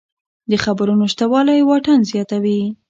د خبرو نشتوالی واټن زیاتوي